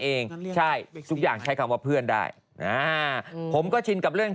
เองใช่ทุกอย่างใช้คำว่าเพื่อนได้อ่าผมก็ชินกับเรื่อง